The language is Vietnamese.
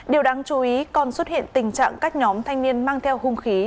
điều đáng chú ý còn xuất hiện tình trạng các nhóm thanh niên mang theo hung khí